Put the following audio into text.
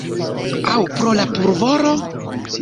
Aŭ pro la pulvoro?